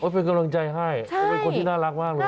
เป็นกำลังใจให้เป็นคนที่น่ารักมากเลย